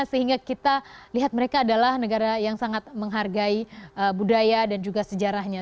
sehingga kita lihat mereka adalah negara yang sangat menghargai budaya dan juga sejarahnya